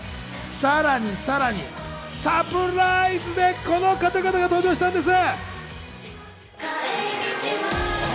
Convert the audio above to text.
さらにさらにサプライズでこの方々が登場したんです！